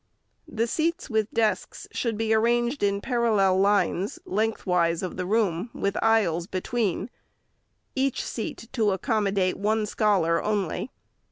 The seats with desks should be arranged in parallel lines, lengthwise of the room, with aisles between, each seat to accommodate one scholar only.